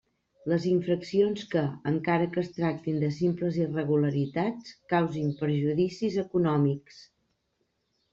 Les infraccions que, encara que es tractin de simples irregularitats, causin perjudicis econòmics.